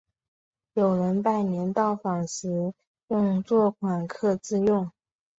有人拜年到访时用作款客之用。